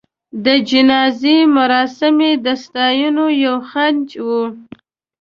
د جنازې مراسم یې د ستاینو یو جنج و.